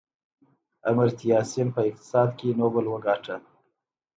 امرتیا سین په اقتصاد کې نوبل وګاټه.